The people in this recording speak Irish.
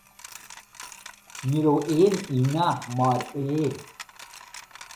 Ní raibh aon aonach mar é.